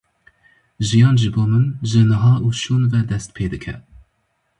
Jiyan ji bo min ji niha û şûn ve dest pê dike.